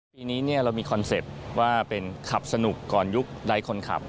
ปีนี้เรามีคอนเซ็ปต์ว่าเป็นขับสนุกก่อนยุคไร้คนขับ